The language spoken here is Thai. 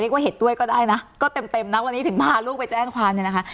ว่าเห็นด้วยก็ได้นะก็เต็มนะวันนี้ถึงพาลูกไปแจ้งความเนี่ยนะคะ